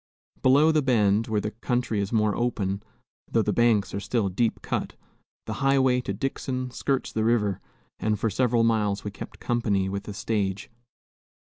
Below the bend, where the country is more open, though the banks are still deep cut, the highway to Dixon skirts the river, and for several miles we kept company with the stage.